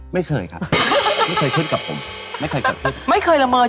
มีหน้าหัวมีรอยบาก